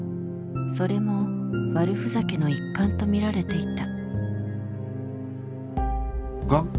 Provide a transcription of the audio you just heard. それも悪ふざけの一環と見られていた。